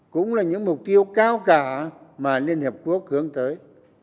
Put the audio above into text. cũng là những mục tiêu cao cả mà liên hiệp quốc hướng tới